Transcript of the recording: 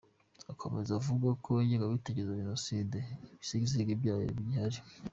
Akomeza avuga ko ingengabitekerezo ya Jenoside ibisigisigi byayo bigihari.